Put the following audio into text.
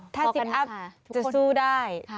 ถ้าซิกอัพจะสู้ได้